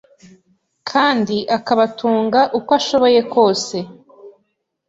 kandi akabatunga uko ashoboye kose